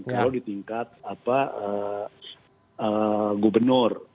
kalau di tingkat gubernur